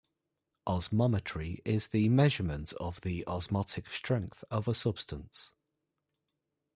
Osmometry is the measurement of the osmotic strength of a substance.